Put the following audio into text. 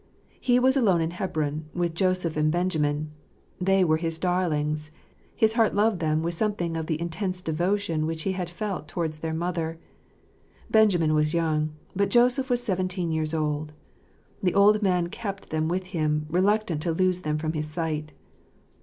He was alone in Hebron with Joseph and Benjamin: they were his darlings ; his heart loved them with some thing of the intense devotion which he had felt towards their mother. Benjamin was young; but Joseph was seven teen years old. The old man kept them with him, reluctant to lose them from his sight.